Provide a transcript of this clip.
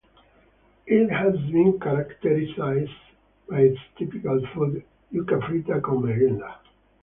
It has been characterized by its typical food "Yuca Frita con Merienda".